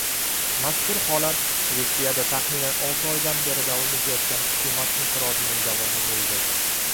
Mazkur holat Shvetsiyada taxminan olti oydan beri davom etayotgan hukumat inqirozining davomi bo‘ldi